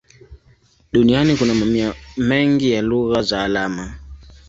Duniani kuna mamia mengi ya lugha za alama.